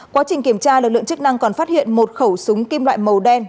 quá trình kiểm tra lực lượng chức năng còn phát hiện một khẩu súng kim loại màu đen